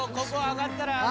［ここ上がったら］